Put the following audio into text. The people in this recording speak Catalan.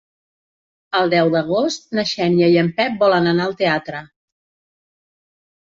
El deu d'agost na Xènia i en Pep volen anar al teatre.